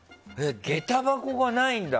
下駄箱がないんだ。